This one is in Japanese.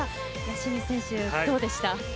清水選手、どうでしたか。